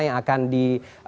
yang akan di